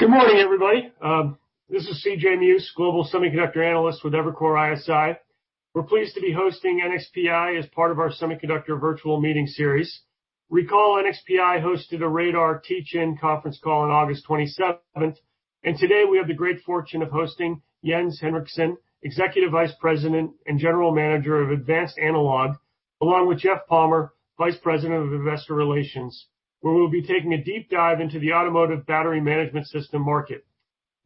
Good morning, everybody. This is C.J. Muse, Global Semiconductor Analyst with Evercore ISI. We're pleased to be hosting NXPI as part of our semiconductor virtual meeting series. Recall NXPI hosted a radar teach-in conference call on August 27th, and today we have the great fortune of hosting Jens Hinrichsen, Executive Vice President and General Manager of Advanced Analog, along with Jeff Palmer, Vice President of Investor Relations, where we'll be taking a deep dive into the automotive battery management system market.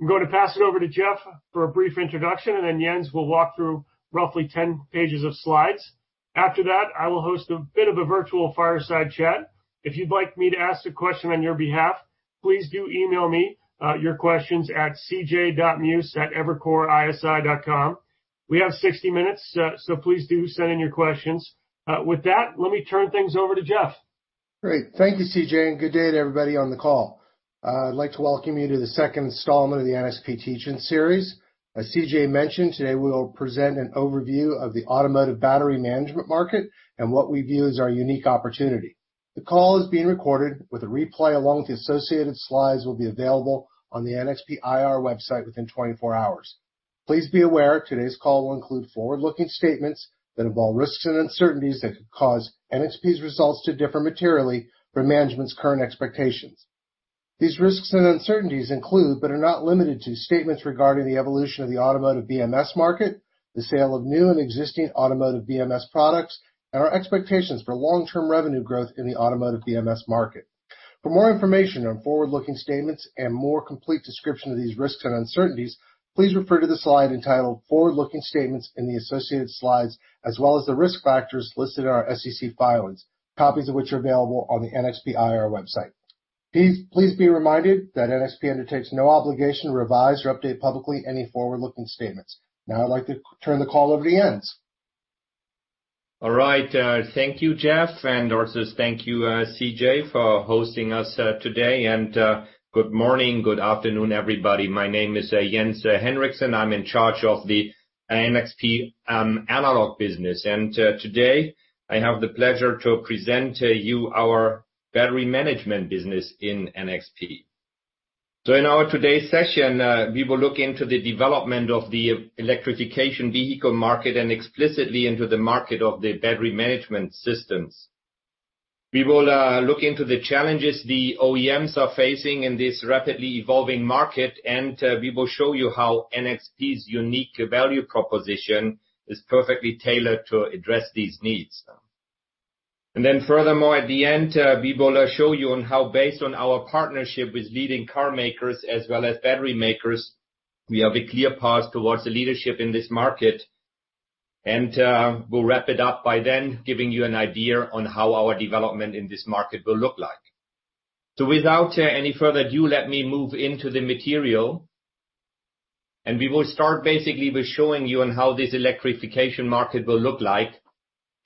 I'm going to pass it over to Jeff for a brief introduction, and then Jens will walk through roughly 10 pages of slides. After that, I will host a bit of a virtual fireside chat. If you'd like me to ask a question on your behalf, please do email me your questions at cj.muse@evercoreisi.com. We have 60 minutes, so please do send in your questions. With that, let me turn things over to Jeff. Great. Thank you, C.J., and good day to everybody on the call. I'd like to welcome you to the second installment of the NXPI teach-in series. As C.J. mentioned, today we will present an overview of the automotive battery management market and what we view as our unique opportunity. The call is being recorded, with a replay along with the associated slides will be available on the NXP IR website within 24 hours. Please be aware, today's call will include forward-looking statements that involve risks and uncertainties that could cause NXPI's results to differ materially from management's current expectations. These risks and uncertainties include, but are not limited to, statements regarding the evolution of the automotive BMS market, the sale of new and existing automotive BMS products, and our expectations for long-term revenue growth in the automotive BMS market. For more information on forward-looking statements and more complete description of these risks and uncertainties, please refer to the slide entitled "Forward-looking Statements" and the associated slides as well as the risk factors listed in our SEC filings, copies of which are available on the NXP IR website. Please be reminded that NXPI undertakes no obligation to revise or update publicly any forward-looking statements. Now I'd like to turn the call over to Jens. All right. Thank you, Jeff, and also thank you, C.J., for hosting us today. Good morning, good afternoon, everybody. My name is Jens Hinrichsen. I'm in charge of the NXPI analog business. Today I have the pleasure to present to you our battery management business in NXPI. In our today's session, we will look into the development of the electrification vehicle market and explicitly into the market of the battery management systems. We will look into the challenges the OEMs are facing in this rapidly evolving market, and we will show you how NXPI's unique value proposition is perfectly tailored to address these needs. Furthermore, at the end, we will show you on how based on our partnership with leading car makers as well as battery makers, we have a clear path towards the leadership in this market. We'll wrap it up by then giving you an idea on how our development in this market will look like. Without any further ado, let me move into the material, and we will start basically with showing you on how this electrification market will look like.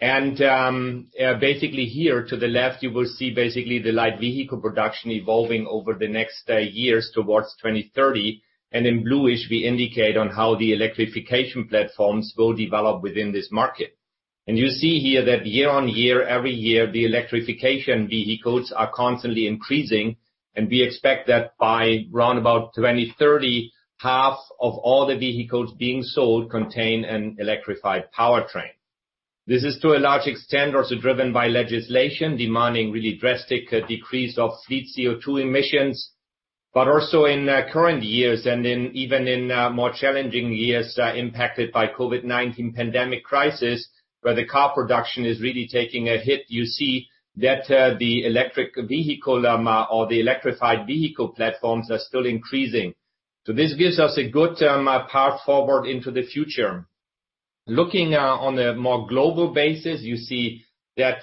Basically here to the left, you will see basically the light vehicle production evolving over the next years towards 2030. In bluish, we indicate on how the electrification platforms will develop within this market. You see here that year-on-year, every year, the electrification vehicles are constantly increasing, and we expect that by roundabout 2030, half of all the vehicles being sold contain an electrified powertrain. This is to a large extent also driven by legislation demanding really drastic decrease of fleet CO2 emissions, but also in current years and in even in more challenging years impacted by COVID-19 pandemic crisis, where the car production is really taking a hit. You see that the electric vehicle or the electrified vehicle platforms are still increasing. This gives us a good path forward into the future. Looking on a more global basis, you see that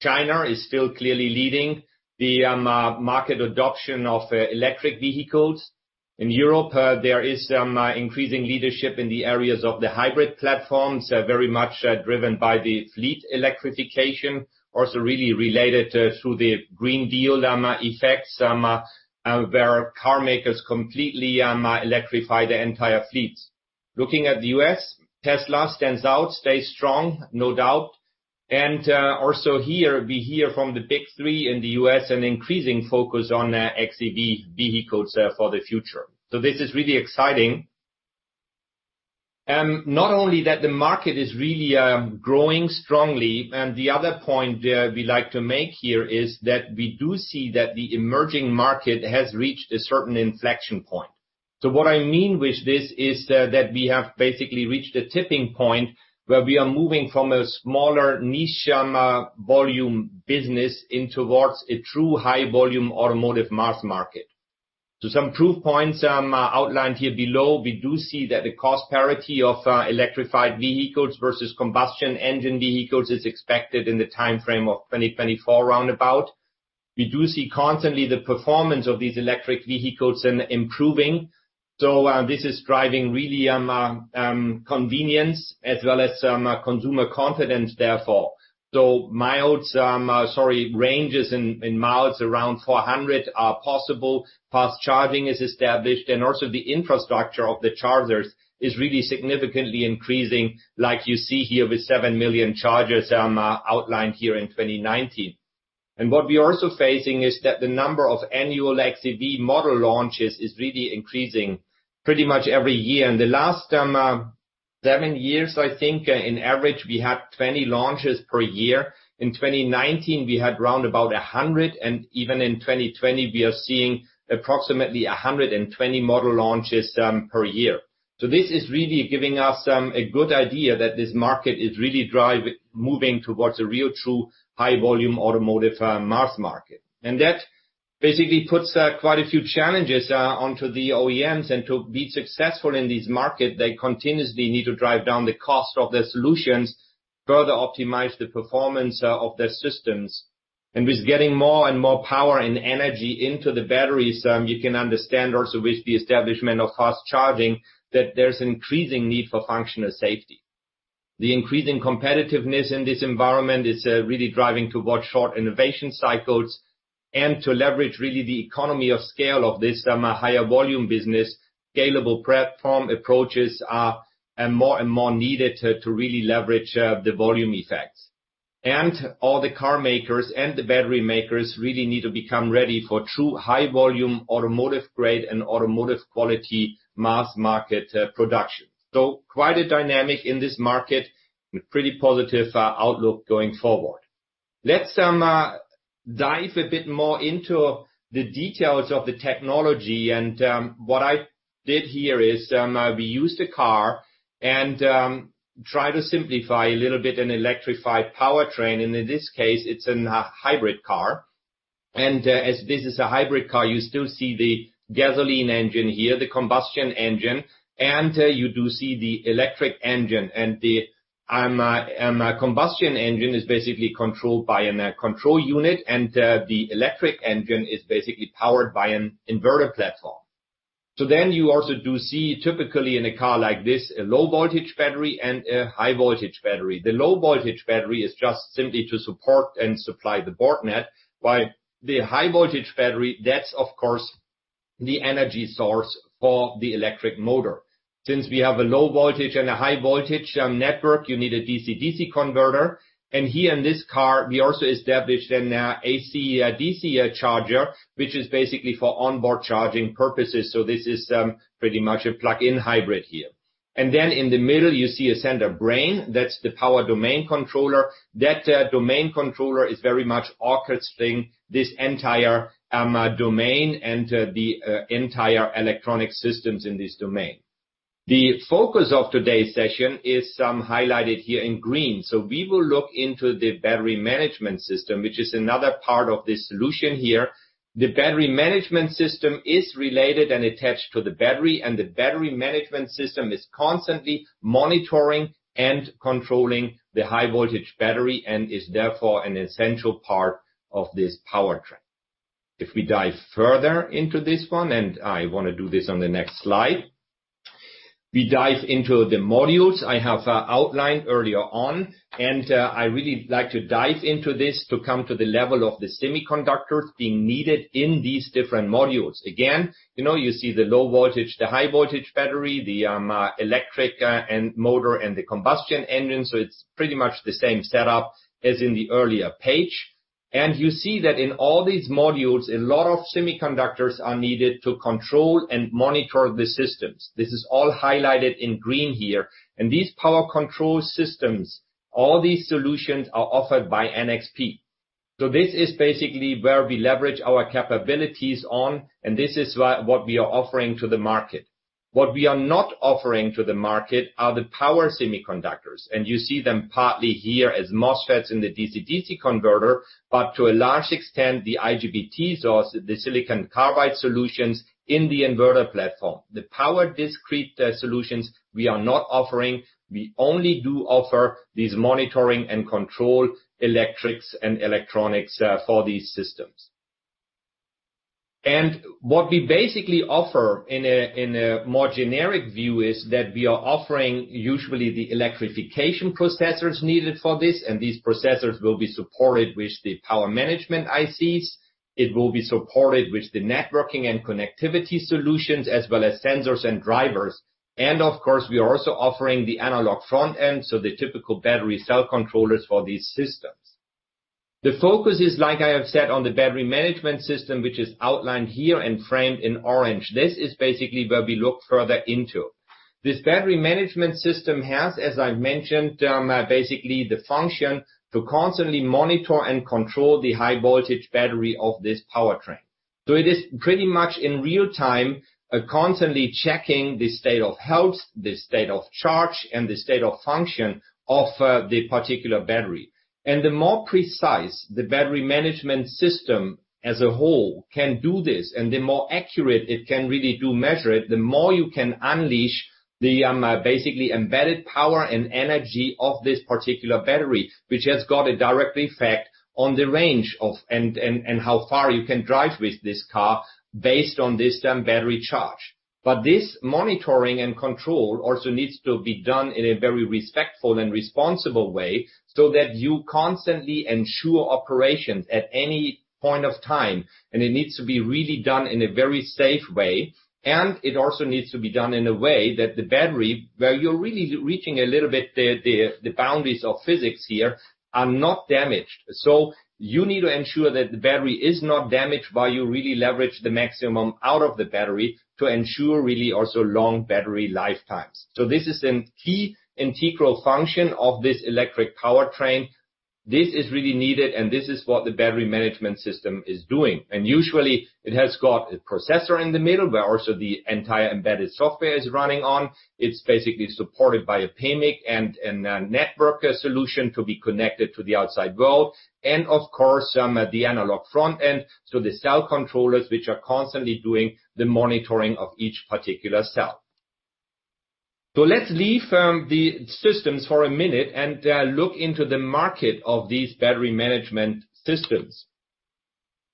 China is still clearly leading the market adoption of electric vehicles. In Europe, there is increasing leadership in the areas of the hybrid platforms, very much driven by the fleet electrification, also really related through the Green Deal effects, where car makers completely electrify their entire fleets. Looking at the U.S., Tesla stands out, stays strong, no doubt. Also here, we hear from the Big Three in the U.S. an increasing focus on xEV vehicles for the future. This is really exciting. Not only that the market is really growing strongly, and the other point we like to make here is that we do see that the emerging market has reached a certain inflection point. What I mean with this is that we have basically reached a tipping point where we are moving from a smaller niche volume business in towards a true high volume automotive mass market. Some proof points outlined here below. We do see that the cost parity of electrified vehicles versus combustion engine vehicles is expected in the timeframe of 2024 roundabout. We do see constantly the performance of these electric vehicles improving. This is driving really convenience as well as consumer confidence, therefore. Miles, sorry, ranges in miles around 400 are possible. Fast charging is established and also the infrastructure of the chargers is really significantly increasing, like you see here with 7 million chargers outlined here in 2019. What we are also facing is that the number of annual xEV model launches is really increasing pretty much every year. In the last seven years, I think, in average, we had 20 launches per year. In 2019, we had around 100, and even in 2020, we are seeing approximately 120 model launches per year. This is really giving us a good idea that this market is really moving towards a real true high-volume automotive mass market. That basically puts quite a few challenges onto the OEMs, and to be successful in this market, they continuously need to drive down the cost of their solutions, further optimize the performance of their systems. With getting more and more power and energy into the batteries, you can understand also with the establishment of fast charging, that there's an increasing need for functional safety. The increasing competitiveness in this environment is really driving towards short innovation cycles and to leverage really the economy of scale of this higher volume business. Scalable platform approaches are more and more needed to really leverage the volume effects. All the car makers and the battery makers really need to become ready for true high-volume automotive grade and automotive quality mass market production. Quite a dynamic in this market, with pretty positive outlook going forward. Let's dive a bit more into the details of the technology. What I did here is, we used a car and try to simplify a little bit an electrified powertrain, and in this case, it's a hybrid car. As this is a hybrid car, you still see the gasoline engine here, the combustion engine, and you do see the electric engine. The combustion engine is basically controlled by a control unit, and the electric engine is basically powered by an inverter platform. You also do see, typically in a car like this, a low-voltage battery and a high-voltage battery. The low-voltage battery is just simply to support and supply the board net. While the high-voltage battery, that's, of course, the energy source for the electric motor. Since we have a low-voltage and a high-voltage network, you need a DC/DC converter. Here in this car, we also established an AC/DC charger, which is basically for onboard charging purposes. This is pretty much a plug-in hybrid here. In the middle, you see a center brain, that's the power domain controller. That domain controller is very much orchestrating this entire domain and the entire electronic systems in this domain. The focus of today's session is highlighted here in green. We will look into the battery management system, which is another part of this solution here. The battery management system is related and attached to the battery, and the battery management system is constantly monitoring and controlling the high-voltage battery, and is therefore an essential part of this powertrain. If we dive further into this one, and I want to do this on the next slide. We dive into the modules I have outlined earlier on. I really like to dive into this to come to the level of the semiconductors being needed in these different modules. Again, you see the low-voltage, the high-voltage battery, the electric motor, and the combustion engine. It's pretty much the same setup as in the earlier page. You see that in all these modules, a lot of semiconductors are needed to control and monitor the systems. This is all highlighted in green here. These power control systems, all these solutions are offered by NXP. This is basically where we leverage our capabilities on, and this is what we are offering to the market. What we are not offering to the market are the power semiconductors, and you see them partly here as MOSFETs in the DC/DC converter, but to a large extent, the IGBTs or the silicon carbide solutions in the inverter platform. The power discrete solutions we are not offering. We only do offer these monitoring and control electrics and electronics for these systems. What we basically offer in a more generic view is that we are offering usually the electrification processors needed for this, and these processors will be supported with the power management ICs. It will be supported with the networking and connectivity solutions as well as sensors and drivers. Of course, we are also offering the analog front-end, so the typical battery cell controllers for these systems. The focus is, like I have said, on the battery management system, which is outlined here and framed in orange. This is basically where we look further into. This battery management system has, as I mentioned, basically the function to constantly monitor and control the high-voltage battery of this powertrain. It is pretty much in real time, constantly checking the state of health, the state of charge, and the state of function of the particular battery. The more precise the battery management system as a whole can do this, and the more accurate it can really do measure it, the more you can unleash the basically embedded power and energy of this particular battery, which has got a direct effect on the range and how far you can drive with this car based on this battery charge. This monitoring and control also needs to be done in a very respectful and responsible way, so that you constantly ensure operations at any point of time. It needs to be really done in a very safe way. It also needs to be done in a way that the battery, where you're really reaching a little bit the boundaries of physics here, are not damaged. You need to ensure that the battery is not damaged while you really leverage the maximum out of the battery to ensure really also long battery lifetimes. This is a key integral function of this electric powertrain. This is really needed, and this is what the battery management system is doing. Usually it has got a processor in the middle where also the entire embedded software is running on. It's basically supported by a PMIC and a network solution to be connected to the outside world. Of course, the analog front end, so the cell controllers, which are constantly doing the monitoring of each particular cell. Let's leave the systems for a minute and look into the market of these battery management systems.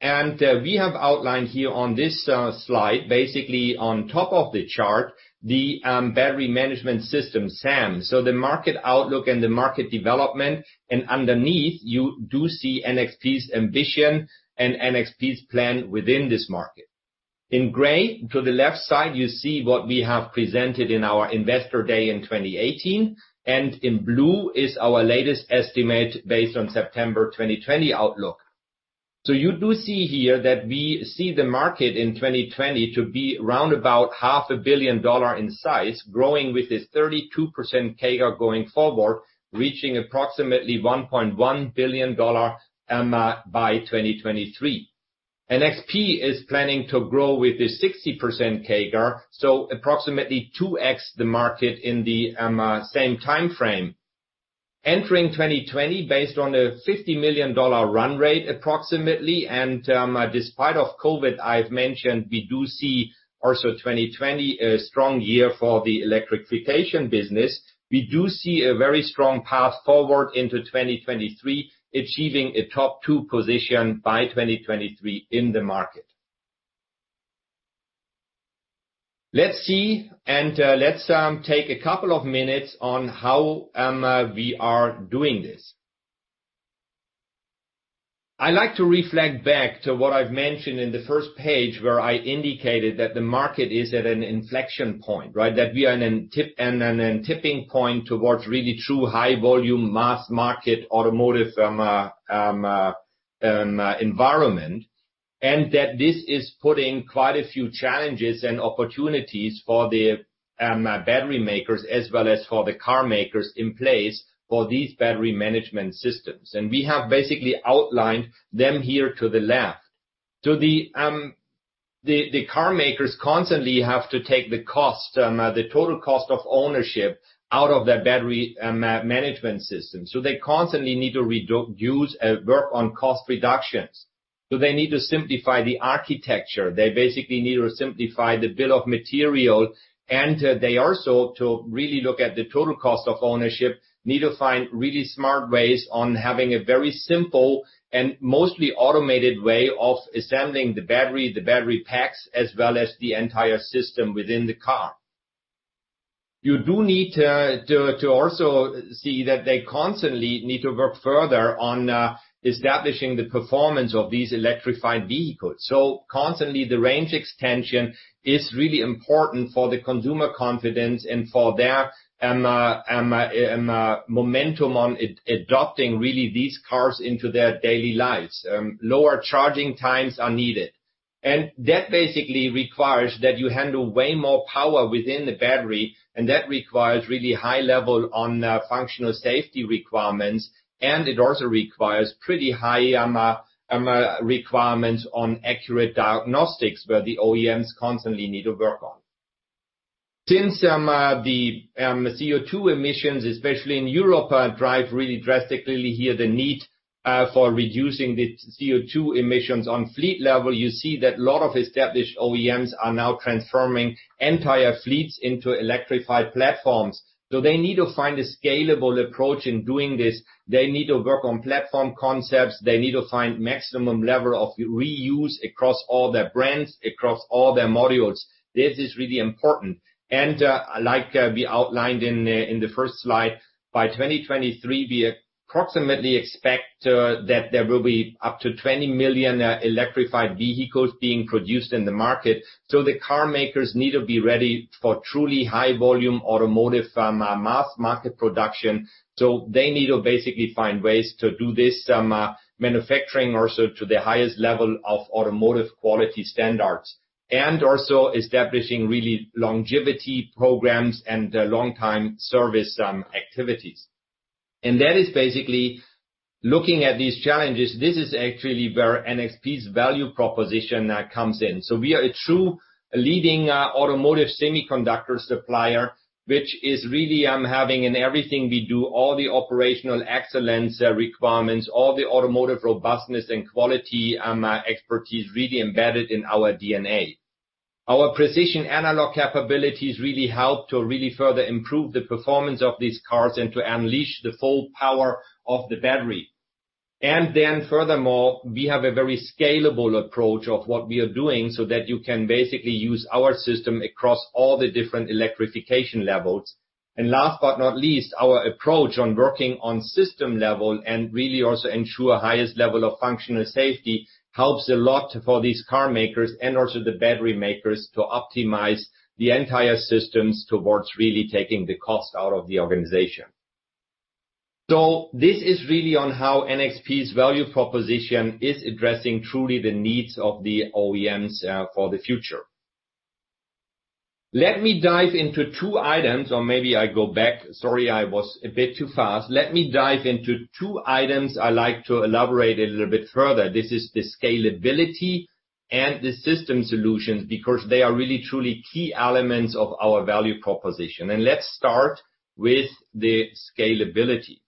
We have outlined here on this slide, basically on top of the chart, the battery management system, BMS. The market outlook and the market development, underneath you do see NXP's ambition and NXP's plan within this market. In gray, to the left side, you see what we have presented in our Investor Day in 2018, and in blue is our latest estimate based on September 2020 outlook. You do see here that we see the market in 2020 to be round about half a billion dollar in size, growing with this 32% CAGR going forward, reaching approximately $1.1 billion by 2023. NXP is planning to grow with a 60% CAGR, approximately 2x the market in the same time frame. Entering 2020 based on a $50 million run rate approximately, and despite of COVID, I've mentioned we do see also 2020 a strong year for the electrification business. We do see a very strong path forward into 2023, achieving a top two position by 2023 in the market. Let's see, and let's take a couple of minutes on how we are doing this. I like to reflect back to what I've mentioned in the first page, where I indicated that the market is at an inflection point, right? We are in a tipping point towards really true high volume, mass market automotive environment. This is putting quite a few challenges and opportunities for the battery makers as well as for the car makers in place for these battery management systems. We have basically outlined them here to the left. The car makers constantly have to take the cost, the total cost of ownership out of their battery management system. They constantly need to reduce and work on cost reductions. They need to simplify the architecture. They basically need to simplify the bill of material, and they also, to really look at the total cost of ownership, need to find really smart ways on having a very simple and mostly automated way of assembling the battery, the battery packs, as well as the entire system within the car. You do need to also see that they constantly need to work further on establishing the performance of these electrified vehicles. Constantly the range extension is really important for the consumer confidence and for their momentum on adopting, really, these cars into their daily lives. Lower charging times are needed. That basically requires that you handle way more power within the battery, and that requires really high level on functional safety requirements. It also requires pretty high requirements on accurate diagnostics, where the OEMs constantly need to work on. Since the CO2 emissions, especially in Europe, drive really drastically here the need for reducing the CO2 emissions on fleet level, you see that lot of established OEMs are now transforming entire fleets into electrified platforms. They need to find a scalable approach in doing this. They need to work on platform concepts. They need to find maximum level of reuse across all their brands, across all their modules. This is really important. Like we outlined in the first slide, by 2023, we approximately expect that there will be up to 20 million electrified vehicles being produced in the market. The car makers need to be ready for truly high volume automotive mass market production. They need to basically find ways to do this manufacturing also to the highest level of automotive quality standards, and also establishing really longevity programs and long time service activities. That is basically looking at these challenges. This is actually where NXP's value proposition comes in. We are a true leading automotive semiconductor supplier, which is really having in everything we do, all the operational excellence requirements, all the automotive robustness and quality expertise really embedded in our DNA. Our precision analog capabilities really help to really further improve the performance of these cars and to unleash the full power of the battery. Furthermore, we have a very scalable approach of what we are doing, so that you can basically use our system across all the different electrification levels. Last but not least, our approach on working on system level and really also ensure highest level of functional safety helps a lot for these car makers and also the battery makers to optimize the entire systems towards really taking the cost out of the organization. This is really on how NXP's value proposition is addressing truly the needs of the OEMs for the future. Let me dive into two items, or maybe I go back. Sorry, I was a bit too fast. Let me dive into two items I like to elaborate a little bit further. This is the scalability and the system solutions, because they are really truly key elements of our value proposition. Let's start with the scalability.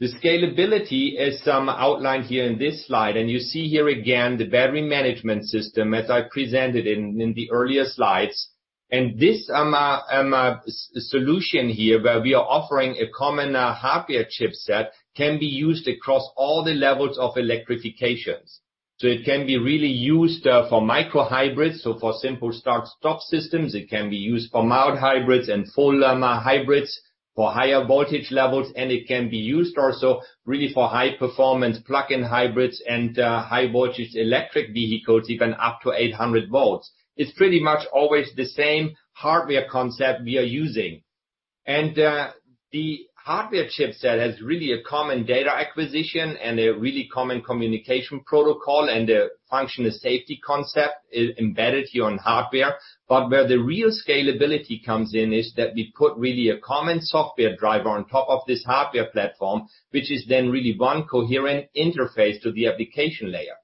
The scalability, as outlined here in this slide, and you see here again the battery management system as I presented in the earlier slides. This solution here, where we are offering a common hardware chipset, can be used across all the levels of electrifications. So it can be really used for micro-hybrids, so for simple start/stop systems. It can be used for mild hybrids and full hybrids, for higher voltage levels, and it can be used also really for high-performance plug-in hybrids and high voltage electric vehicles, even up to 800 volts. It's pretty much always the same hardware concept we are using. The hardware chipset has really a common data acquisition and a really common communication protocol, and a functional safety concept embedded here on hardware. Where the real scalability comes in is that we put really a common software driver on top of this hardware platform, which is then really one coherent interface to the application layer.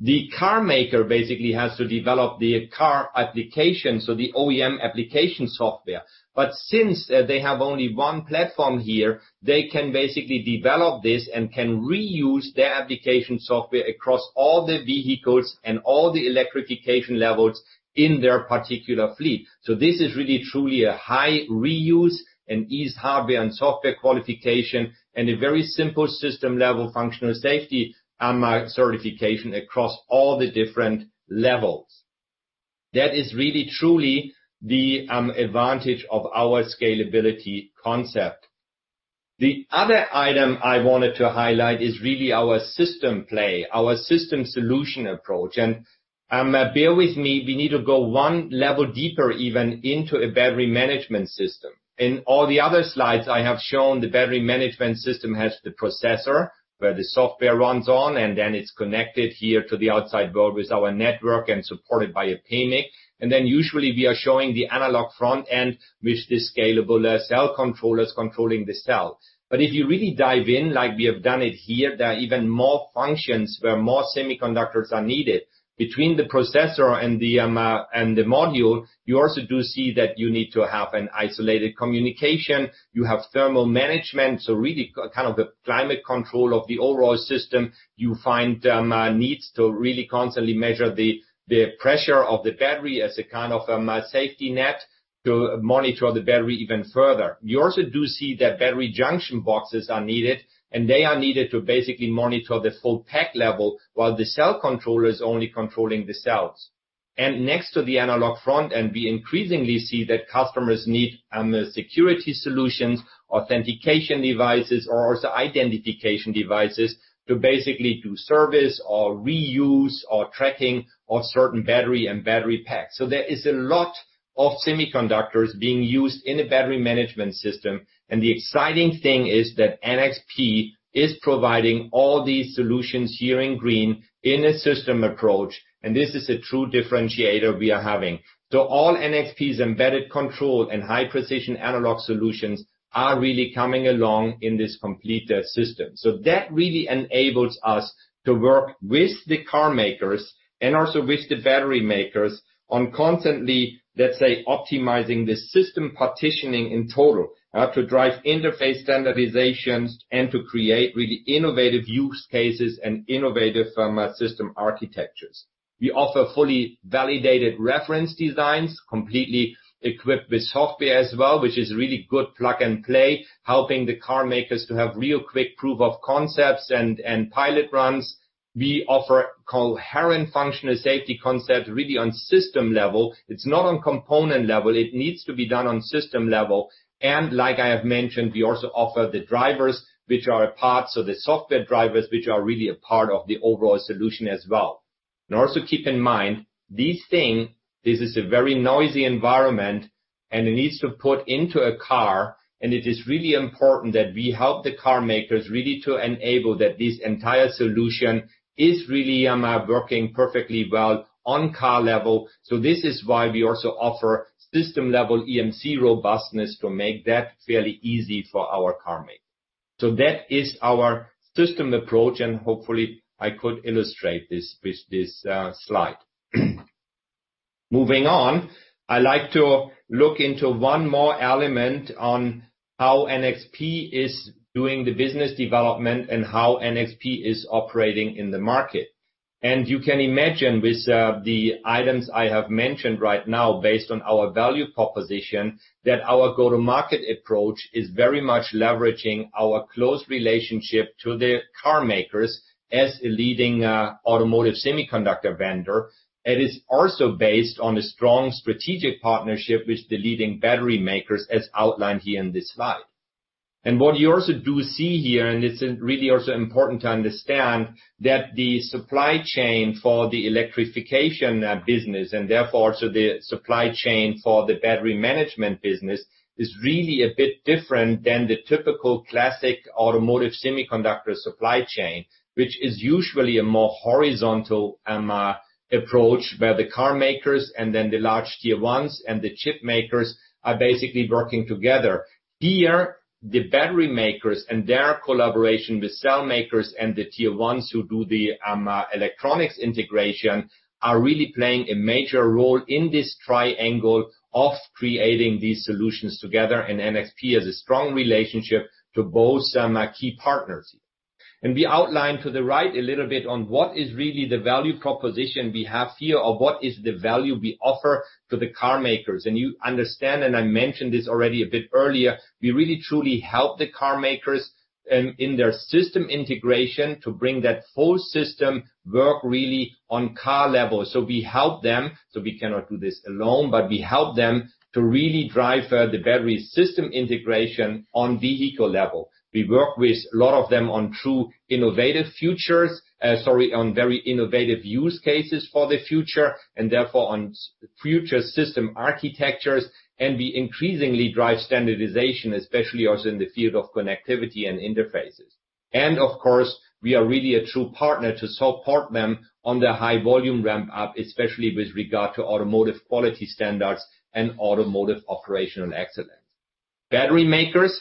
The car maker basically has to develop the car application, so the OEM application software. Since they have only one platform here, they can basically develop this and can reuse their application software across all the vehicles and all the electrification levels in their particular fleet. This is really truly a high reuse and ease hardware and software qualification, and a very simple system-level functional safety certification across all the different levels. That is really truly the advantage of our scalability concept. The other item I wanted to highlight is really our system play, our system solution approach. Bear with me, we need to go 1 level deeper even into a battery management system. In all the other slides, I have shown the battery management system has the processor, where the software runs on, and then it's connected here to the outside world with our network and supported by a PMIC. Usually we are showing the analog front-end with the scalable cell controllers controlling the cell. If you really dive in like we have done it here, there are even more functions where more semiconductors are needed. Between the processor and the module, you also do see that you need to have an isolated communication. You have thermal management, so really the climate control of the overall system. You find needs to really constantly measure the pressure of the battery as a kind of safety net to monitor the battery even further. You also do see that battery junction boxes are needed, and they are needed to basically monitor the full pack level while the cell controller is only controlling the cells. Next to the analog front-end, we increasingly see that customers need security solutions, authentication devices, or also identification devices to basically do service or reuse or tracking of certain battery and battery packs. There is a lot of semiconductors being used in a battery management system, and the exciting thing is that NXP is providing all these solutions here in green in a system approach, and this is a true differentiator we are having. All NXP's embedded control and high-precision analog solutions are really coming along in this complete system. That really enables us to work with the car makers and also with the battery makers on constantly, let's say, optimizing the system partitioning in total, to drive interface standardizations and to create really innovative use cases and innovative system architectures. We offer fully validated reference designs, completely equipped with software as well, which is really good plug-and-play, helping the car makers to have real quick proof of concepts and pilot runs. We offer coherent functional safety concept really on system level. It's not on component level. It needs to be done on system level. Like I have mentioned, we also offer the drivers, the software drivers, which are really a part of the overall solution as well. Also keep in mind, this thing, this is a very noisy environment, and it needs to put into a car, and it is really important that we help the car makers really to enable that this entire solution is really working perfectly well on car level. This is why we also offer system level EMC robustness to make that fairly easy for our car maker. That is our system approach, and hopefully I could illustrate this with this slide. Moving on, I like to look into one more element on how NXP is doing the business development and how NXP is operating in the market. You can imagine with the items I have mentioned right now, based on our value proposition, that our go-to-market approach is very much leveraging our close relationship to the car makers as a leading automotive semiconductor vendor. It is also based on a strong strategic partnership with the leading battery makers, as outlined here in this slide. What you also do see here, and it's really also important to understand, that the supply chain for the electrification business, and therefore also the supply chain for the battery management business, is really a bit different than the typical classic automotive semiconductor supply chain, which is usually a more horizontal approach, where the car makers and then the large tier ones and the chip makers are basically working together. Here, the battery makers and their collaboration with cell makers and the tier ones who do the electronics integration, are really playing a major role in this triangle of creating these solutions together, and NXP has a strong relationship to both key partners. We outline to the right a little bit on what is really the value proposition we have here, or what is the value we offer to the car makers. You understand, and I mentioned this already a bit earlier, we really truly help the car makers in their system integration to bring that full system work really on car level. We help them, so we cannot do this alone, but we help them to really drive the battery system integration on vehicle level. We work with a lot of them on very innovative use cases for the future, and therefore on future system architectures. We increasingly drive standardization, especially also in the field of connectivity and interfaces. Of course, we are really a true partner to support them on their high volume ramp up, especially with regard to automotive quality standards and automotive operational excellence. Battery makers,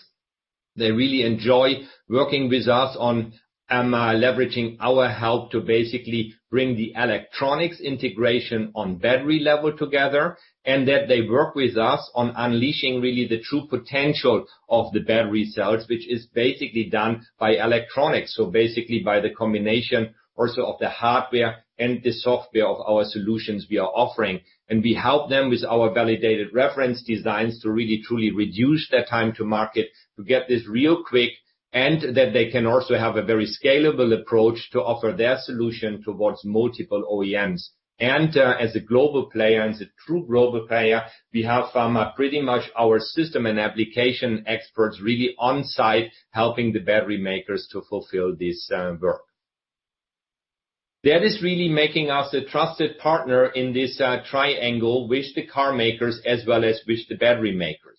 they really enjoy working with us on leveraging our help to basically bring the electronics integration on battery level together, and that they work with us on unleashing really the true potential of the battery cells, which is basically done by electronics. Basically by the combination also of the hardware and the software of our solutions we are offering. We help them with our validated reference designs to really truly reduce their time to market to get this real quick, and that they can also have a very scalable approach to offer their solution towards multiple OEMs. As a true global player, we have pretty much our system and application experts really on-site helping the battery makers to fulfill this work. That is really making us a trusted partner in this triangle with the car makers as well as with the battery makers.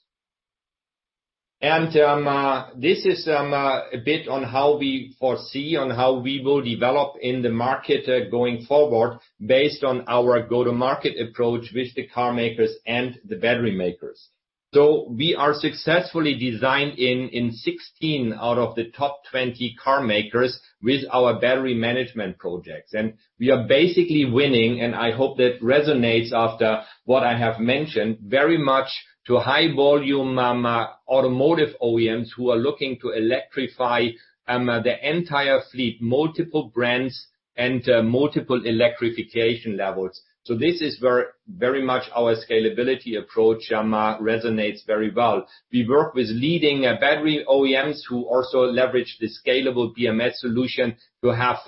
This is a bit on how we foresee on how we will develop in the market going forward based on our go-to-market approach with the car makers and the battery makers. We are successfully designed in 16 out of the top 20 car makers with our battery management projects. We are basically winning, and I hope that resonates after what I have mentioned, very much to high volume automotive OEMs who are looking to electrify their entire fleet, multiple brands and multiple electrification levels. This is very much our scalability approach resonates very well. We work with leading battery OEMs who also leverage the scalable BMS solution to have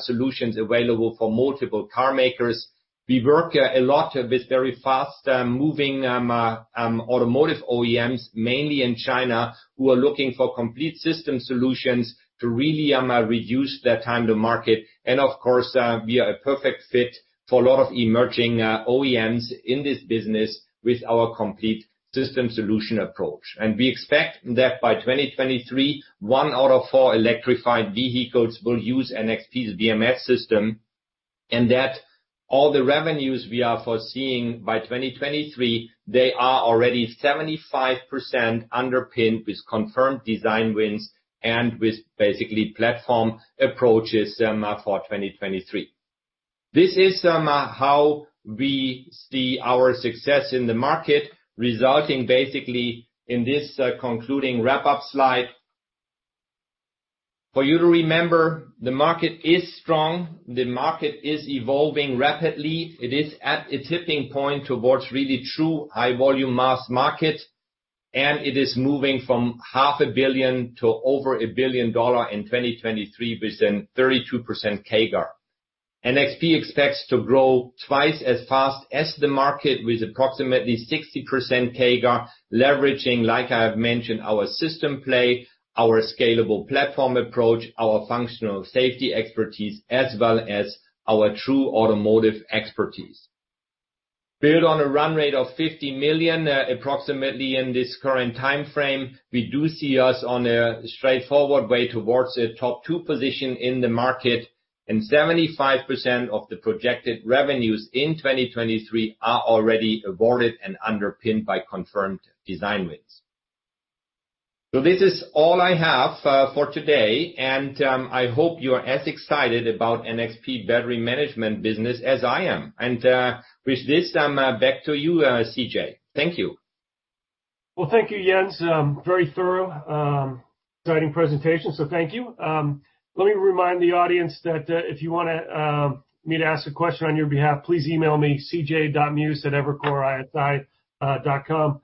solutions available for multiple car makers. We work a lot with very fast-moving automotive OEMs, mainly in China, who are looking for complete system solutions to really reduce their time to market. Of course, we are a perfect fit for a lot of emerging OEMs in this business with our complete system solution approach. We expect that by 2023, one out of four electrified vehicles will use NXP's BMS system, and that all the revenues we are foreseeing by 2023, they are already 75% underpinned with confirmed design wins and with basically platform approaches for 2023. This is how we see our success in the market resulting basically in this concluding wrap-up slide. For you to remember, the market is strong, the market is evolving rapidly. It is at a tipping point towards really true high volume mass market, and it is moving from half a billion to over $1 billion in 2023 with a 32% CAGR. NXP expects to grow twice as fast as the market with approximately 60% CAGR, leveraging, like I have mentioned, our system play, our scalable platform approach, our functional safety expertise, as well as our true automotive expertise. Built on a run rate of $50 million approximately in this current time frame, we do see us on a straightforward way towards a top two position in the market, 75% of the projected revenues in 2023 are already awarded and underpinned by confirmed design wins. This is all I have for today, and I hope you are as excited about NXP battery management business as I am. With this, back to you, C.J. Thank you. Well, thank you, Jens. Very thorough, exciting presentation, thank you. Let me remind the audience that if you want me to ask a question on your behalf, please email me cj.muse@evercoreisi.com.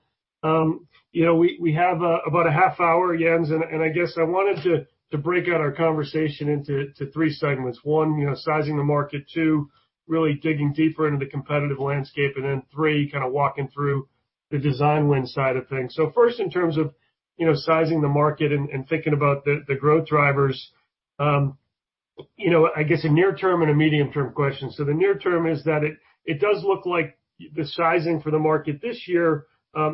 We have about a half hour, Jens. I guess I wanted to break out our conversation into three segments. One, sizing the market. Two, really digging deeper into the competitive landscape. Three, kind of walking through the design win side of things. First in terms of sizing the market and thinking about the growth drivers. I guess, a near term and a medium term question. The near term is that it does look like the sizing for the market this year,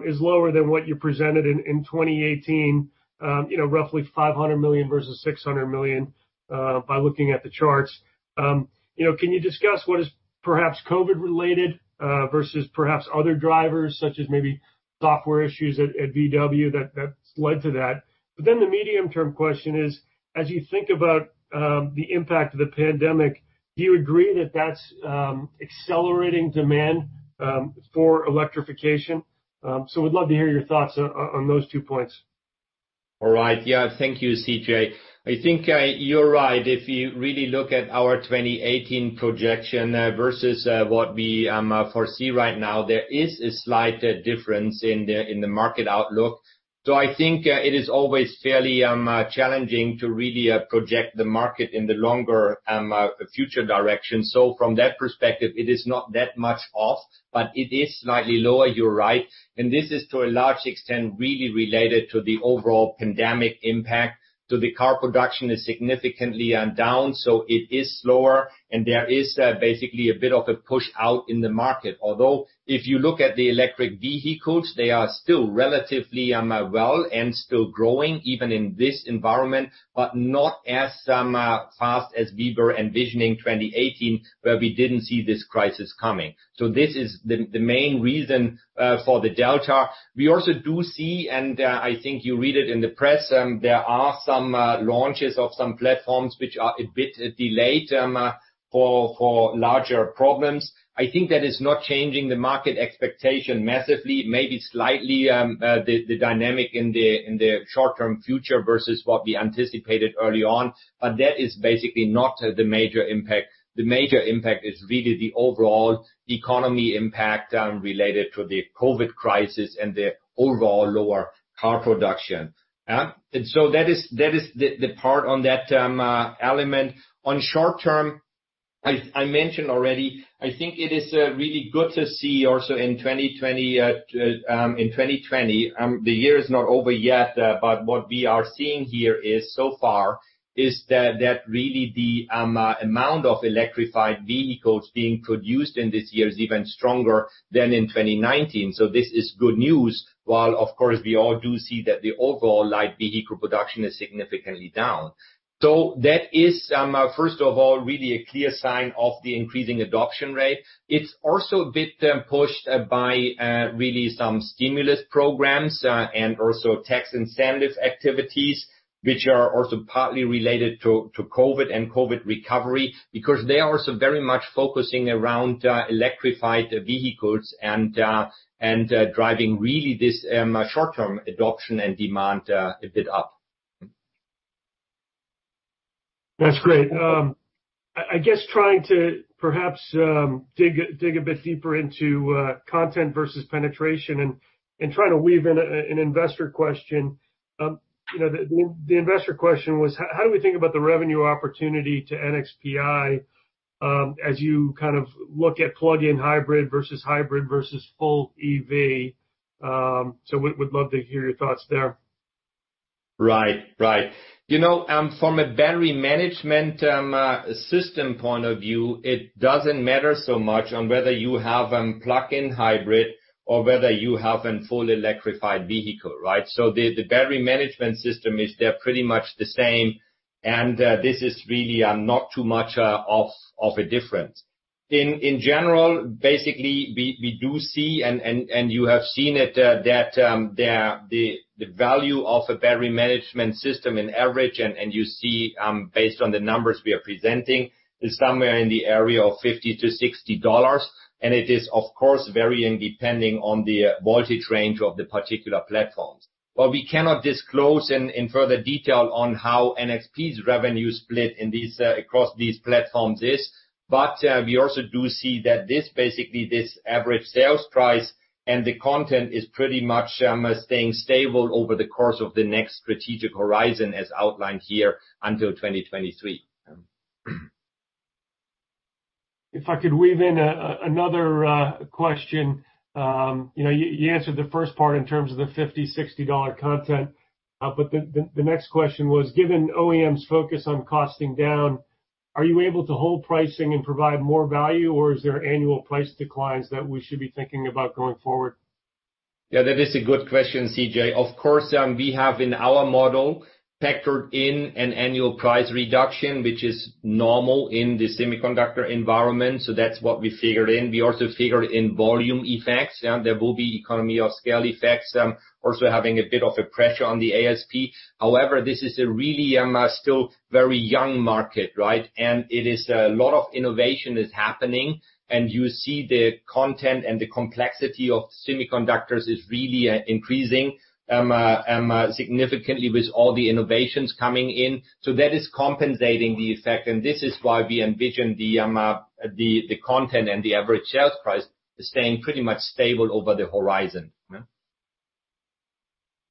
is lower than what you presented in 2018, roughly $500 million versus $600 million, by looking at the charts. Can you discuss what is perhaps COVID related, versus perhaps other drivers, such as maybe software issues at VW that led to that? The medium term question is, as you think about the impact of the pandemic, do you agree that that's accelerating demand for electrification? We'd love to hear your thoughts on those two points. All right. Yeah, thank you, C.J. I think you're right. If you really look at our 2018 projection versus what we foresee right now, there is a slight difference in the market outlook. I think it is always fairly challenging to really project the market in the longer future direction. From that perspective, it is not that much off, but it is slightly lower, you're right. This is, to a large extent, really related to the overall pandemic impact. The car production is significantly down, so it is slower, and there is basically a bit of a push-out in the market. Although, if you look at the electric vehicles, they are still relatively well and still growing, even in this environment, but not as fast as we were envisioning 2018, where we didn't see this crisis coming. This is the main reason for the delta. We also do see, and I think you read it in the press, there are some launches of some platforms which are a bit delayed for larger programs. I think that is not changing the market expectation massively, maybe slightly, the dynamic in the short-term future versus what we anticipated early on. That is basically not the major impact. The major impact is really the overall economy impact related to the COVID crisis and the overall lower car production. That is the part on that element. On short term, I mentioned already, I think it is really good to see also in 2020. The year is not over yet, but what we are seeing here is, so far, is that really the amount of electrified vehicles being produced in this year is even stronger than in 2019. This is good news, while, of course, we all do see that the overall light vehicle production is significantly down. That is, first of all, really a clear sign of the increasing adoption rate. It's also a bit pushed by really some stimulus programs, and also tax incentive activities, which are also partly related to COVID and COVID recovery, because they are also very much focusing around electrified vehicles and driving really this short-term adoption and demand a bit up. That's great. I guess trying to perhaps dig a bit deeper into content versus penetration and try to weave in an investor question. The investor question was, how do we think about the revenue opportunity to NXPI, as you look at plug-in hybrid versus hybrid versus full EV? We'd love to hear your thoughts there. Right. From a battery management system point of view, it doesn't matter so much on whether you have a plug-in hybrid or whether you have a full electrified vehicle, right? The battery management system is they're pretty much the same, and this is really not too much of a difference. In general, basically, we do see, and you have seen it, that the value of a battery management system in average, and you see based on the numbers we are presenting, is somewhere in the area of $50-60. It is, of course, varying depending on the voltage range of the particular platforms. We cannot disclose in further detail on how NXP's revenue split across these platforms is. We also do see that this, basically, this average sales price and the content is pretty much staying stable over the course of the next strategic horizon, as outlined here until 2023. If I could weave in another question. You answered the first part in terms of the $50, $60 content. The next question was, given OEM's focus on costing down, are you able to hold pricing and provide more value, or is there annual price declines that we should be thinking about going forward? Yeah, that is a good question, C.J. We have in our model factored in an annual price reduction, which is normal in the semiconductor environment, so that's what we figured in. We also figured in volume effects. There will be economy of scale effects, also having a bit of a pressure on the ASP. This is a really, still very young market, right? A lot of innovation is happening, and you see the content and the complexity of semiconductors is really increasing significantly with all the innovations coming in. That is compensating the effect, and this is why we envision the content and the average sales price staying pretty much stable over the horizon.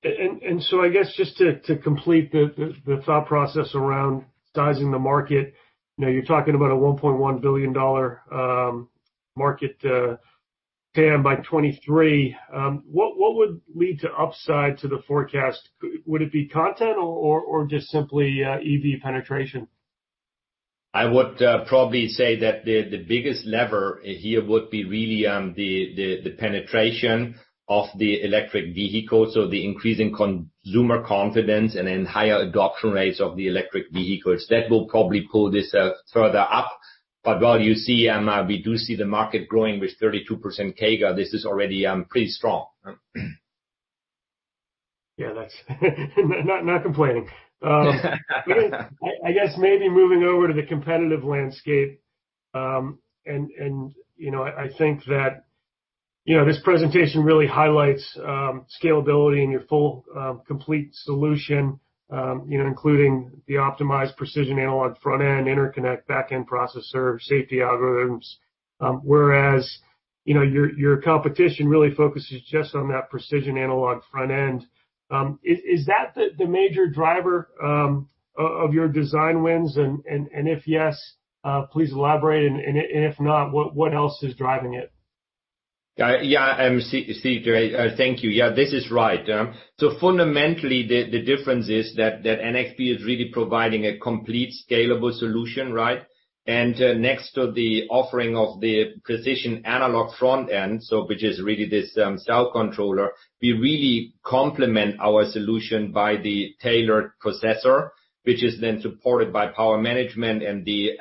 I guess just to complete the thought process around sizing the market. You're talking about a $1.1 billion market TAM, by 2023, what would lead to upside to the forecast? Would it be content or just simply EV penetration? I would probably say that the biggest lever here would be really the penetration of the electric vehicles, the increasing consumer confidence and then higher adoption rates of the electric vehicles. That will probably pull this further up. While we do see the market growing with 32% CAGR, this is already pretty strong. Yeah, that's not complaining. I guess maybe moving over to the competitive landscape, and I think that this presentation really highlights scalability and your full, complete solution, including the optimized precision analog front-end, interconnect back-end processor, safety algorithms. Whereas your competition really focuses just on that precision analog front-end. Is that the major driver of your design wins? If yes, please elaborate, and if not, what else is driving it? C.J. Thank you. This is right. Fundamentally, the difference is that NXP is really providing a complete scalable solution, right? Next to the offering of the precision analog front-end, which is really this cell controller, we really complement our solution by the tailored processor, which is then supported by power management and the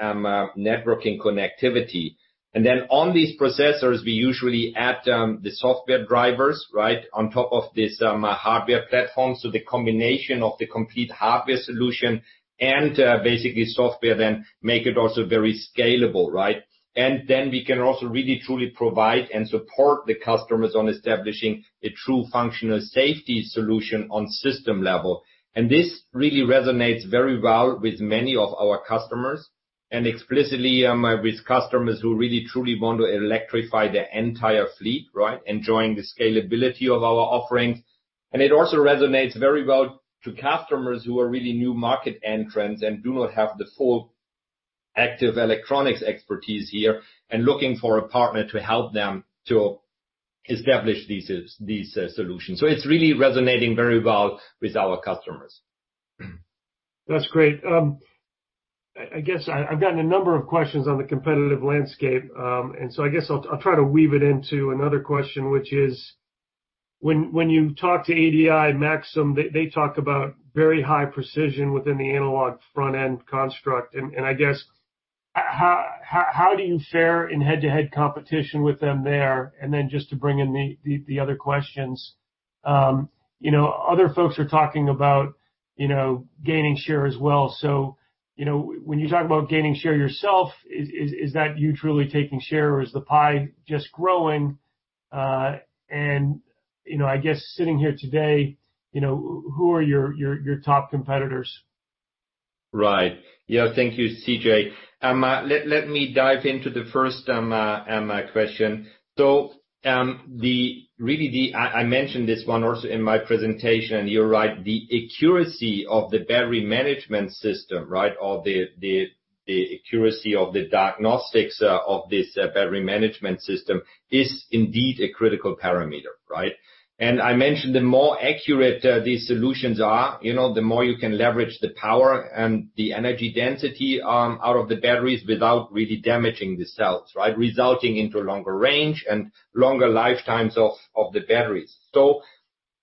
networking connectivity. Then on these processors, we usually add the software drivers, right? On top of this hardware platform. The combination of the complete hardware solution and basically software then make it also very scalable, right? Then we can also really truly provide and support the customers on establishing a true functional safety solution on system level. This really resonates very well with many of our customers and explicitly with customers who really truly want to electrify their entire fleet, right? Enjoying the scalability of our offerings. It also resonates very well to customers who are really new market entrants and do not have the full active electronics expertise here and looking for a partner to help them to establish these solutions. It's really resonating very well with our customers. That's great. I guess I've gotten a number of questions on the competitive landscape. I guess I'll try to weave it into another question, which is, when you talk to ADI and Maxim, they talk about very high precision within the analog front-end construct. I guess, how do you fare in head-to-head competition with them there? Just to bring in the other questions. Other folks are talking about gaining share as well. When you talk about gaining share yourself, is that you truly taking share or is the pie just growing? I guess sitting here today, who are your top competitors? Right. Yeah. Thank you, CJ. I mentioned this one also in my presentation. You're right, the accuracy of the battery management system, right? The accuracy of the diagnostics of this battery management system is indeed a critical parameter, right? I mentioned the more accurate these solutions are, the more you can leverage the power and the energy density out of the batteries without really damaging the cells, right? Resulting into longer range and longer lifetimes of the batteries.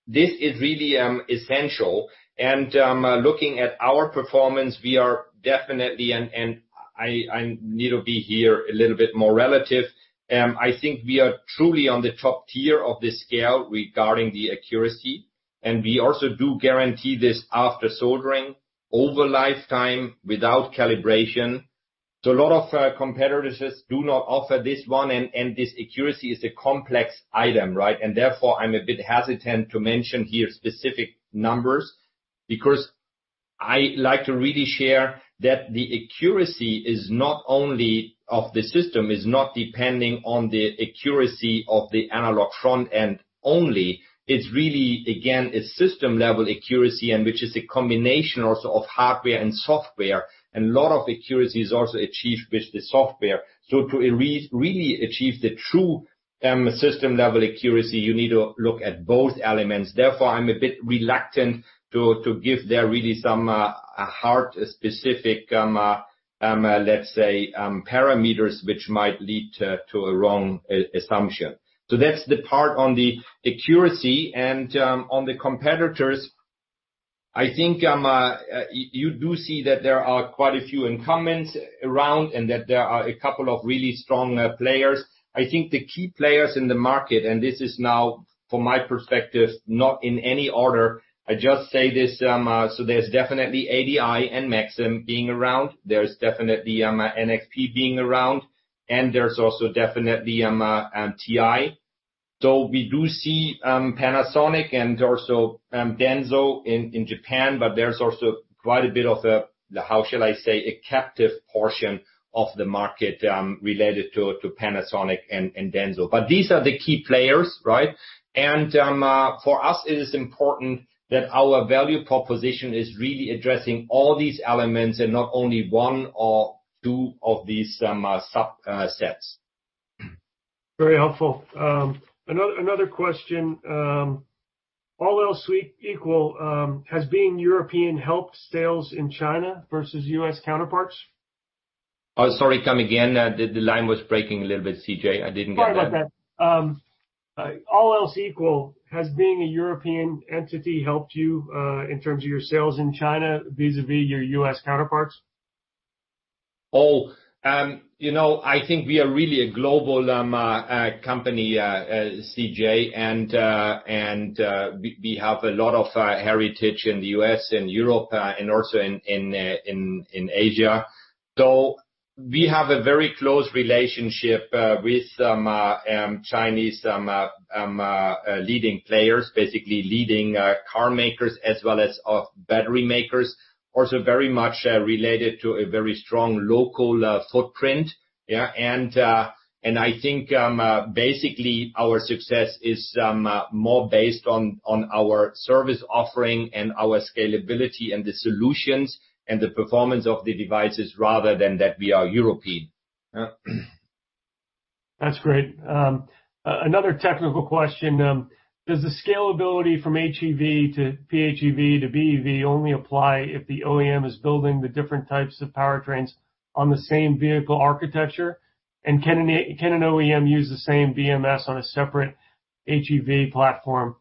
This is really essential. Looking at our performance, we are definitely, and I need to be here a little bit more relative, I think we are truly on the top tier of this scale regarding the accuracy. We also do guarantee this after soldering over lifetime without calibration. A lot of competitors do not offer this one. This accuracy is a complex item, right? Therefore, I'm a bit hesitant to mention here specific numbers because I like to really share that the accuracy of the system is not depending on the accuracy of the analog front-end only. It's really, again, a system-level accuracy and which is a combination also of hardware and software. A lot of accuracy is also achieved with the software. To really achieve the true system-level accuracy, you need to look at both elements. Therefore, I'm a bit reluctant to give there really some hard specific, let's say, parameters which might lead to a wrong assumption. That's the part on the accuracy. On the competitors, I think you do see that there are quite a few incumbents around and that there are a couple of really strong players. I think the key players in the market, this is now from my perspective, not in any order, I just say this, there's definitely ADI and Maxim being around. There's definitely NXP being around. There's also definitely TI. We do see Panasonic and also Denso in Japan, there's also quite a bit of, how shall I say, a captive portion of the market related to Panasonic and Denso. These are the key players, right? For us, it is important that our value proposition is really addressing all these elements and not only one or two of these subsets. Very helpful. Another question. All else equal, has being European helped sales in China versus U.S. counterparts? Oh, sorry. Come again. The line was breaking a little bit, C.J. I didn't get that. Sorry about that. All else equal, has being a European entity helped you, in terms of your sales in China, vis-a-vis your U.S. counterparts? I think we are really a global company, C.J., and we have a lot of heritage in the U.S. and Europe, and also in Asia. We have a very close relationship with some Chinese leading players, basically leading car makers as well as battery makers, also very much related to a very strong local footprint. I think, basically, our success is more based on our service offering and our scalability and the solutions and the performance of the devices rather than that we are European. That's great. Another technical question. Does the scalability from HEV to PHEV to BEV only apply if the OEM is building the different types of powertrains on the same vehicle architecture? Can an OEM use the same BMS on a separate HEV platform?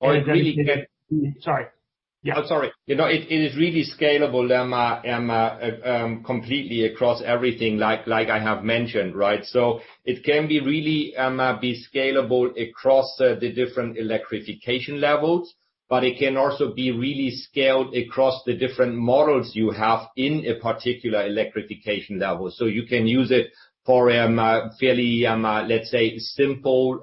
Oh, it really. Sorry. Yeah. Sorry. It is really scalable, completely across everything, like I have mentioned, right? It can be really scalable across the different electrification levels, but it can also be really scaled across the different models you have in a particular electrification level. You can use it for a fairly, let's say, simple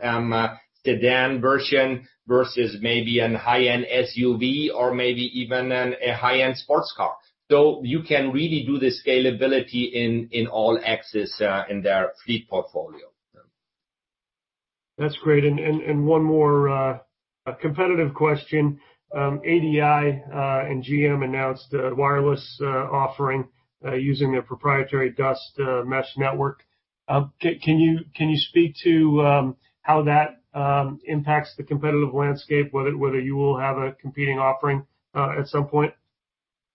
sedan version versus maybe a high-end SUV or maybe even a high-end sports car. You can really do the scalability in all axes in their fleet portfolio. That's great. One more competitive question. ADI and GM announced a wireless offering, using their proprietary Dust mesh network. Can you speak to how that impacts the competitive landscape, whether you will have a competing offering at some point?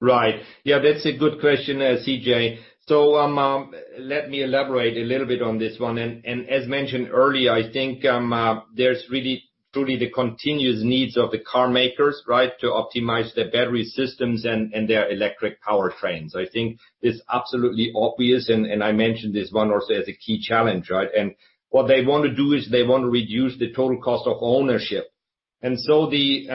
Right. Yeah, that's a good question, C.J. Let me elaborate a little bit on this one. As mentioned earlier, I think there's really truly the continuous needs of the car makers, right, to optimize their battery systems and their electric powertrains. I think it's absolutely obvious, and I mentioned this one also as a key challenge, right? What they want to do is they want to reduce the total cost of ownership. The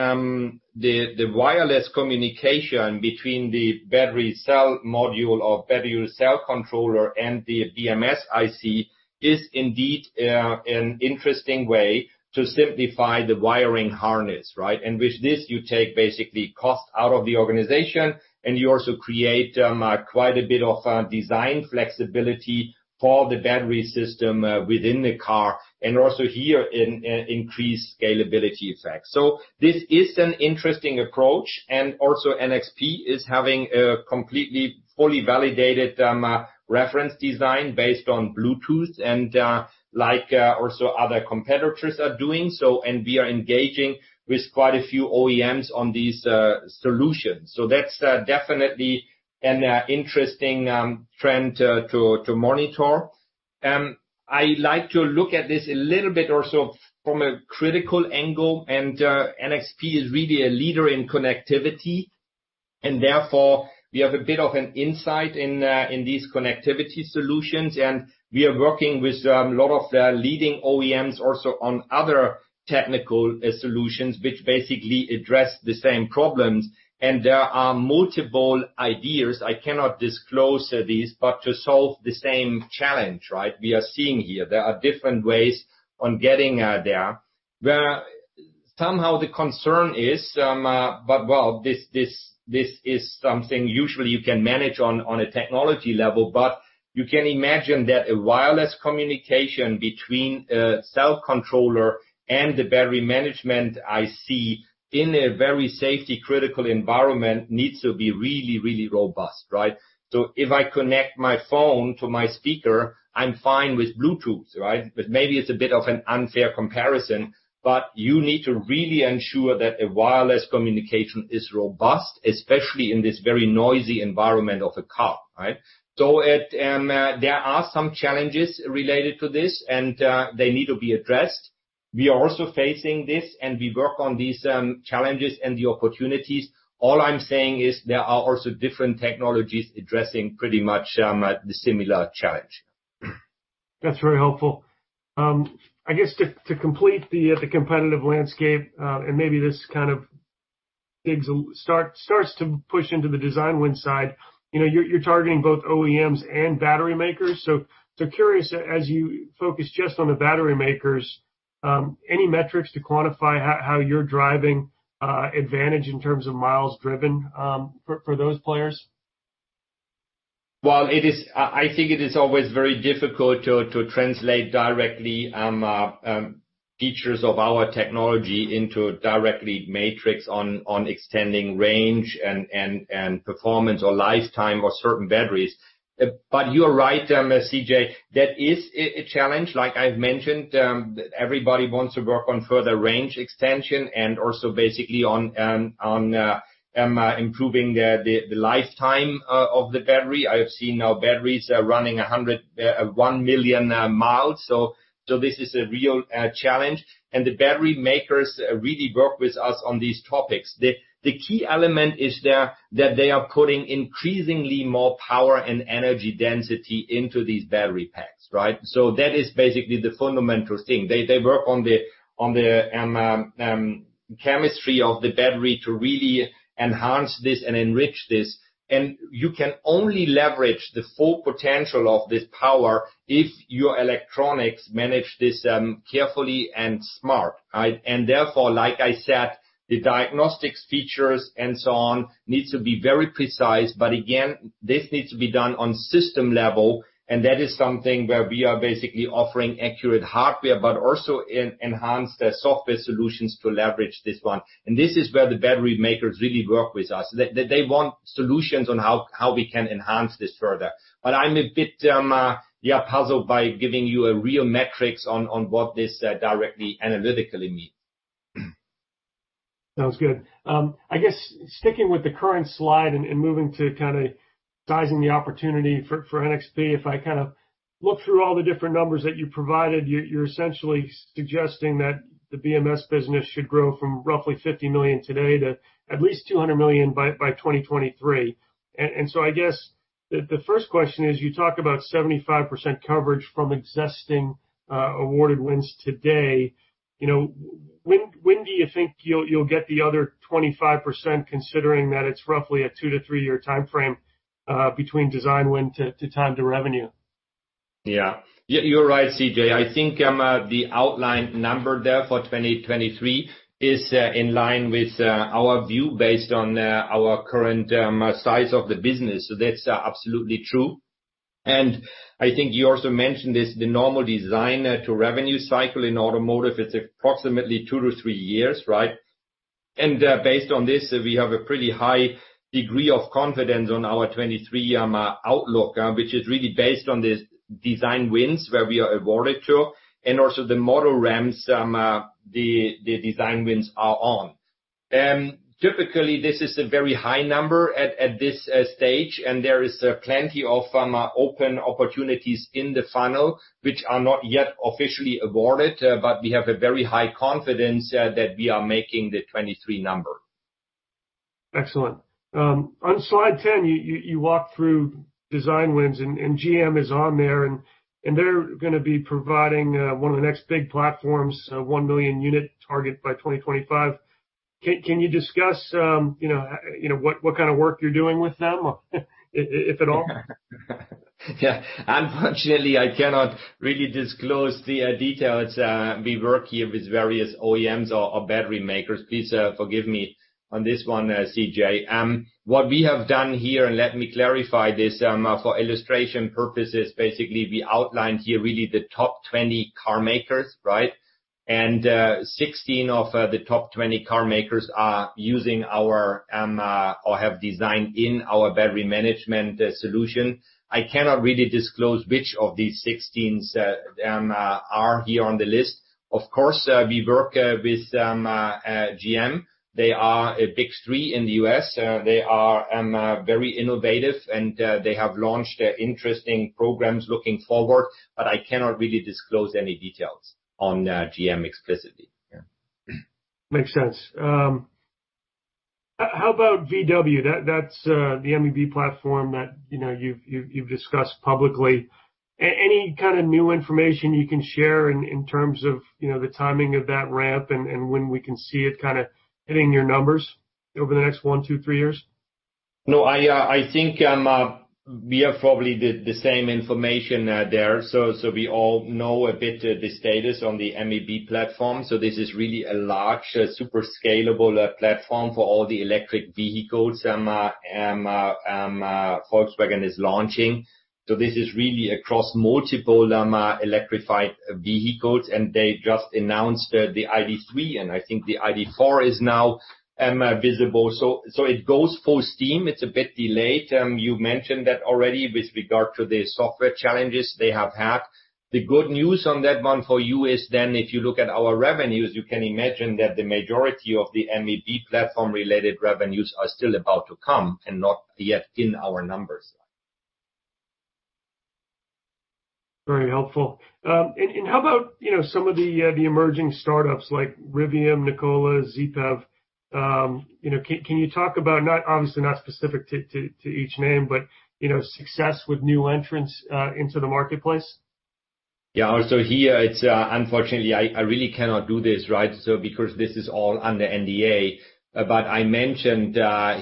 wireless communication between the battery cell module or battery cell controller and the BMS IC is indeed an interesting way to simplify the wiring harness, right? With this, you take basically cost out of the organization, and you also create quite a bit of design flexibility for the battery system within the car, and also here, an increased scalability effect. This is an interesting approach, and also NXP is having a completely, fully validated reference design based on Bluetooth and like also other competitors are doing, and we are engaging with quite a few OEMs on these solutions. That's definitely an interesting trend to monitor. I like to look at this a little bit also from a critical angle, and NXP is really a leader in connectivity, and therefore, we have a bit of an insight in these connectivity solutions, and we are working with a lot of leading OEMs also on other technical solutions, which basically address the same problems. There are multiple ideas, I cannot disclose these, but to solve the same challenge, right, we are seeing here. There are different ways on getting there. Somehow the concern is, this is something usually you can manage on a technology level, but you can imagine that a wireless communication between a cell controller and the battery management IC in a very safety critical environment needs to be really, really robust, right? If I connect my phone to my speaker, I'm fine with Bluetooth, right? Maybe it's a bit of an unfair comparison, but you need to really ensure that a wireless communication is robust, especially in this very noisy environment of a car, right? There are some challenges related to this, and they need to be addressed. We are also facing this, and we work on these challenges and the opportunities. All I'm saying is there are also different technologies addressing pretty much the similar challenge. That's very helpful. I guess to complete the competitive landscape, maybe this kind of starts to push into the design win side. You're targeting both OEMs and battery makers. Curious, as you focus just on the battery makers, any metrics to quantify how you're driving advantage in terms of miles driven for those players? I think it is always very difficult to translate directly features of our technology into a direct metric on extending range and performance or lifetime of certain batteries. You are right, C.J., that is a challenge. Like I've mentioned, everybody wants to work on further range extension and also basically on improving the lifetime of the battery. I have seen now batteries running 1 million miles. This is a real challenge. The battery makers really work with us on these topics. The key element is that they are putting increasingly more power and energy density into these battery packs, right? That is basically the fundamental thing. They work on the chemistry of the battery to really enhance this and enrich this, and you can only leverage the full potential of this power if your electronics manage this carefully and smart. Therefore, like I said, the diagnostics features and so on needs to be very precise. Again, this needs to be done on system level, and that is something where we are basically offering accurate hardware, but also enhanced software solutions to leverage this one. This is where the battery makers really work with us. They want solutions on how we can enhance this further. I'm a bit puzzled by giving you a real metrics on what this directly analytically means. Sounds good. I guess sticking with the current slide and moving to kind of sizing the opportunity for NXP, if I look through all the different numbers that you provided, you're essentially suggesting that the BMS business should grow from roughly $50 million today to at least $200 million by 2023. I guess, the first question is, you talk about 75% coverage from existing awarded wins today. When do you think you'll get the other 25%, considering that it's roughly a two to three-year timeframe between design win to time to revenue? Yeah. You're right, C.J. I think the outlined number there for 2023 is in line with our view based on our current size of the business. That's absolutely true. I think you also mentioned this, the normal design to revenue cycle in automotive, it's approximately two to three years, right? Based on this, we have a pretty high degree of confidence on our 2023 outlook, which is really based on these design wins, where we are awarded to, and also the model ramps the design wins are on. Typically, this is a very high number at this stage, and there is plenty of open opportunities in the funnel, which are not yet officially awarded, but we have a very high confidence that we are making the 2023 number. Excellent. On slide 10, you walk through design wins, and GM is on there, and they're going to be providing one of the next big platforms, a 1-million-unit target by 2025. Can you discuss what kind of work you're doing with them, if at all? Yeah. Unfortunately, I cannot really disclose the details. We work here with various OEMs or battery makers. Please forgive me on this one, C.J. What we have done here, and let me clarify this, for illustration purposes, basically, we outlined here really the top 20 car makers, right? 16 of the top 20 car makers are using our or have designed in our battery management solution. I cannot really disclose which of these 16 are here on the list. Of course, we work with GM. They are a Big Three in the U.S. They are very innovative and they have launched interesting programs looking forward, but I cannot really disclose any details on GM explicitly. Yeah. Makes sense. How about VW? That's the MEB platform that you've discussed publicly. Any kind of new information you can share in terms of the timing of that ramp and when we can see it hitting your numbers over the next one, two, three years? No, I think we have probably the same information there. We all know a bit the status on the MEB platform. This is really a large, super scalable platform for all the electric vehicles Volkswagen is launching. This is really across multiple electrified vehicles, and they just announced the ID.3, and I think the ID.4 is now visible. It goes full steam. It's a bit delayed. You mentioned that already with regard to the software challenges they have had. The good news on that one for you is if you look at our revenues, you can imagine that the majority of the MEB platform-related revenues are still about to come and not yet in our numbers. Very helpful. How about some of the emerging startups like Rivian, Nikola, XPeng? Can you talk about, obviously not specific to each name, but success with new entrants into the marketplace? Here it's unfortunately, I really cannot do this, right? Because this is all under NDA. I mentioned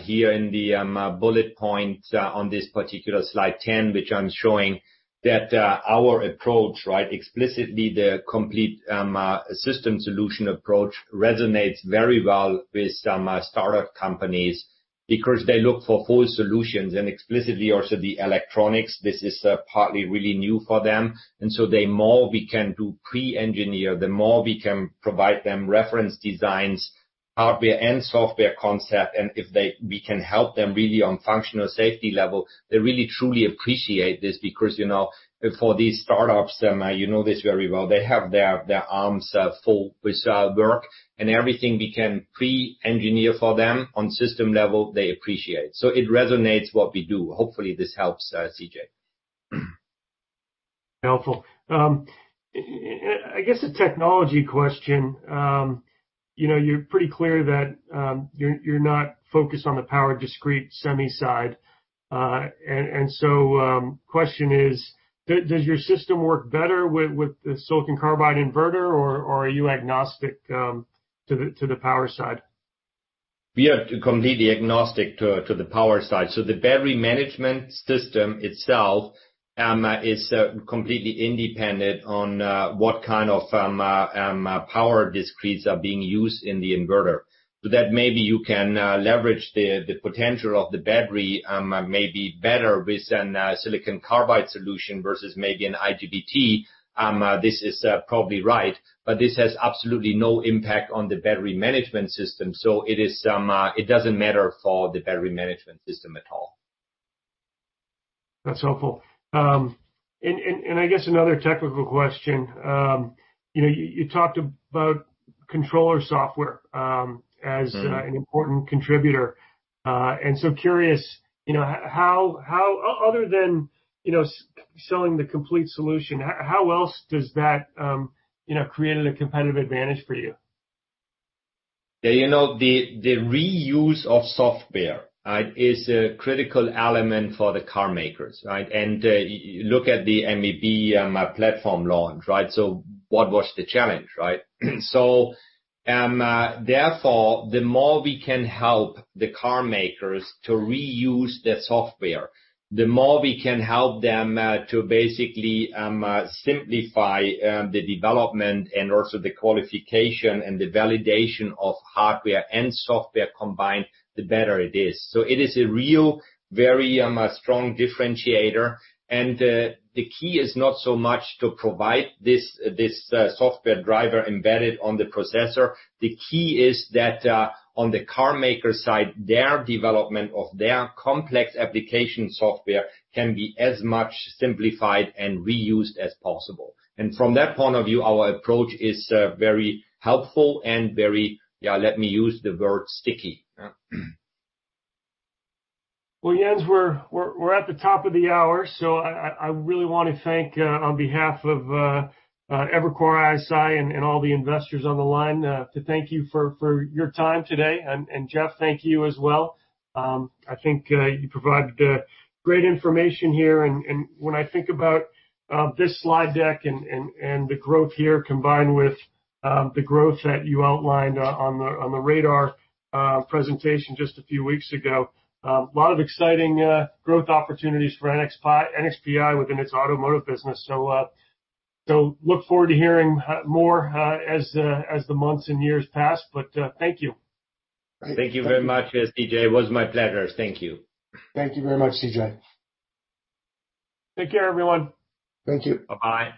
here in the bullet point on this particular slide 10, which I'm showing, that our approach, explicitly the complete system solution approach, resonates very well with some startup companies. Because they look for whole solutions and explicitly also the electronics. This is partly really new for them. The more we can do pre-engineer, the more we can provide them reference designs, hardware and software concept, and if we can help them really on functional safety level, they really truly appreciate this because, for these startups, you know this very well, they have their arms full with work. Everything we can pre-engineer for them on system level, they appreciate. It resonates what we do. Hopefully, this helps, CJ. Helpful. I guess a technology question. You're pretty clear that you're not focused on the power discrete semi side. Question is, does your system work better with the silicon carbide inverter, or are you agnostic to the power side? We are completely agnostic to the power side. The battery management system itself is completely independent on what kind of power discretes are being used in the inverter. That maybe you can leverage the potential of the battery, maybe better with a silicon carbide solution versus maybe an IGBT. This is probably right. This has absolutely no impact on the battery management system. It doesn't matter for the battery management system at all. That's helpful. I guess another technical question? You talked about controller software. as an important contributor. Curious, other than selling the complete solution, how else does that create a competitive advantage for you? The reuse of software is a critical element for the car makers, right? Look at the MEB platform launch, right? What was the challenge, right? Therefore, the more we can help the car makers to reuse the software, the more we can help them to basically simplify the development and also the qualification and the validation of hardware and software combined, the better it is. It is a real, very strong differentiator. The key is not so much to provide this software driver embedded on the processor. The key is that on the car maker side, their development of their complex application software can be as much simplified and reused as possible. From that point of view, our approach is very helpful and very, let me use the word sticky. Yeah. Well, Jens, we're at the top of the hour, so I really want to thank on behalf of Evercore ISI and all the investors on the line to thank you for your time today. Jeff, thank you as well. I think you provided great information here. When I think about this slide deck and the growth here combined with the growth that you outlined on the radar presentation just a few weeks ago, a lot of exciting growth opportunities for NXPI within its automotive business. Look forward to hearing more as the months and years pass. Thank you. Thank you very much, C.J. It was my pleasure. Thank you. Thank you very much, C.J. Take care, everyone. Thank you. Bye-bye.